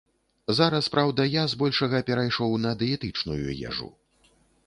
Зараз, праўда, я з большага перайшоў на дыетычную ежу.